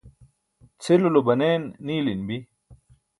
cʰilulo banen niilin bi